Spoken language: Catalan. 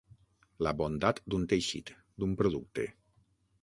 La bondat d'un teixit, d'un producte.